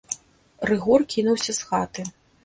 Рыгор кінуўся з хаты.